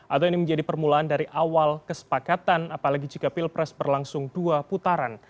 atau ini menjadi permulaan dari awal kesepakatan apalagi jika pilpres berlangsung dua putaran